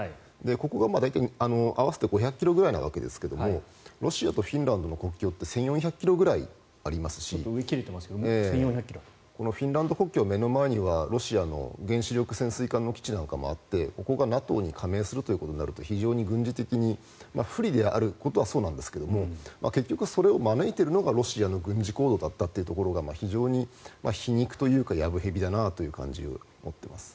ここが大体、合わせて５００ｋｍぐらいなわけですがロシアとフィンランドの国境って１４００ｋｍぐらいありますしこのフィンランドの国境の目の前にはロシアの原子力潜水艦の基地なんかもあってここがＮＡＴＯに加盟するということになると非常に軍事的に不利であることはそうなんですが結局、それを招いているのがロシアの軍事行動だったということが非常に皮肉というかやぶ蛇だなという感じを持っています。